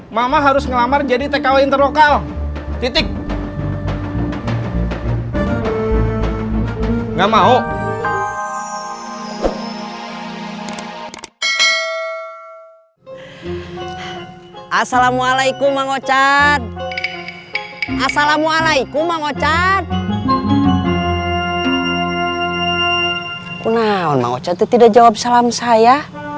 mang ocan tuh tidak jawab salam saya